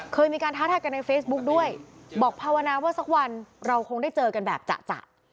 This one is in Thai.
เคยมีการท้าทายกันในเฟซบุ๊กด้วยบอกภาวนาว่าสักวันเราคงได้เจอกันแบบจะ